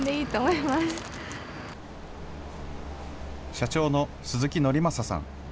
社長の鈴木謙允さん。